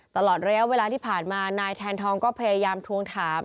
ตลอดระยะเวลาที่ผ่านมานายแทนทองก็พยายามทวงถาม